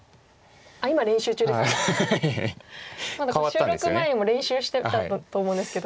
収録前にも練習してたと思うんですけど。